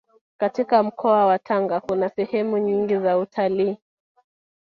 katika mkoa wa Tanga kuna sehemu nyingi za utalii